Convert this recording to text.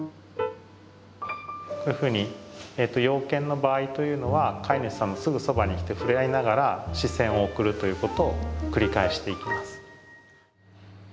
こういうふうに洋犬の場合というのは飼い主さんのすぐそばに来て触れ合いながら視線を送るということを繰り返していきます。